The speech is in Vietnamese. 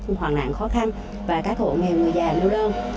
trong những lúc hoàn toàn khó khăn và các hộ nghề người già lưu đơn